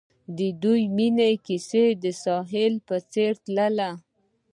د دوی د مینې کیسه د ساحل په څېر تلله.